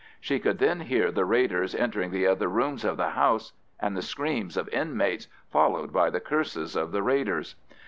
She could then hear the raiders entering the other rooms of the house, and the screams of inmates, followed by the curses of the raiders.